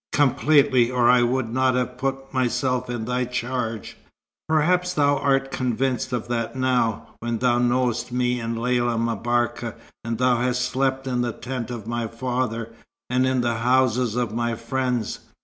"Completely. Or I would not have put myself in thy charge." "Perhaps thou art convinced of that now, when thou knowest me and Lella M'Barka, and thou hast slept in the tent of my father, and in the houses of my friends.